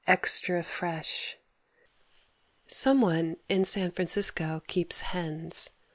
Extra Fresh Some one in San Francisco keeps hens.